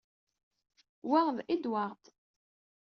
Wa d Edward.